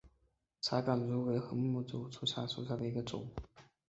茶竿竹为禾本科茶秆竹属下的一个种。